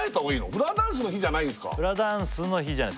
フラダンスの日じゃないす